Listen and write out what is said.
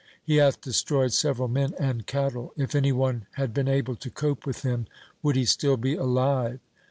He hath destroyed several men and cattle. If any one had been able to cope with him, would he still be alive